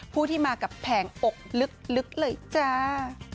ผู้ที่มากับแผงอกลึกเลยจ้า